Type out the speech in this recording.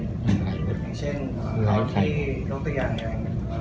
อย่างเช่นที่ลงตัวอย่างนี้